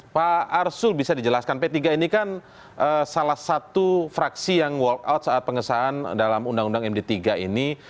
pak arsul bisa dijelaskan p tiga ini kan salah satu fraksi yang walk out saat pengesahan dalam undang undang md tiga ini